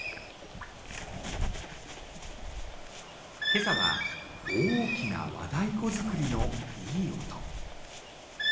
今朝は大きな和太鼓作りのいい音。